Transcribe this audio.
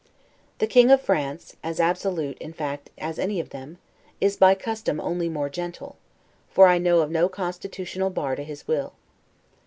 The King of France, as absolute, in fact, as any of them, is by custom only more gentle; for I know of no constitutional bar to his will.